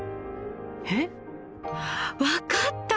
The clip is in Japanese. えっ？分かった！